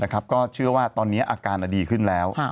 ก็เชื่อว่าตอนนี้อาการดีขึ้นแล้ว